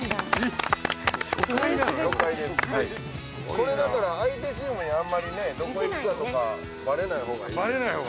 これだから相手チームにあんまりどこ行くかとかバレないほうがいいです。